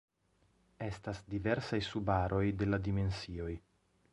Estas diversaj subaroj de la dimensioj.